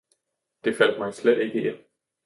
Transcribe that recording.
Det faldt mig slet ikke ind!